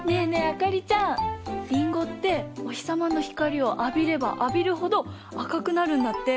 あかりちゃん林檎っておひさまのひかりをあびればあびるほど赤くなるんだって。